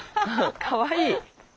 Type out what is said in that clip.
かわいい。